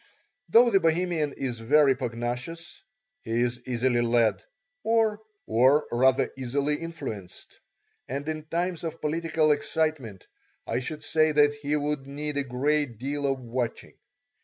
Though the Bohemian is very pugnacious, he is easily led, or rather easily influenced, and in times of political excitement I should say that he would need a great deal of watching.